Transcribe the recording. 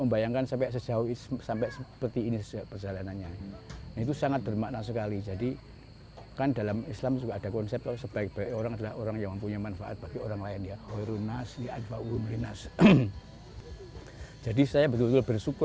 baik terus malaikat jelek terus iblis